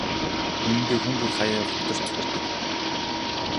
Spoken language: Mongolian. Үнэндээ хүн бүр хааяа гутарч цөхөрдөг.